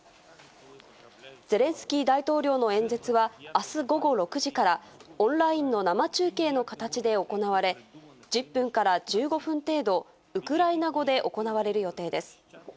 ゼレンスキー大統領の演説は、あす午後６時から、オンラインの生中継の形で行われ、１０分から１５分程度、ウクライナ語で行われる予定です。